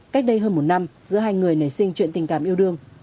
cách đây hơn một năm giữa hai người nảy sinh chuyện tình cảm yêu đương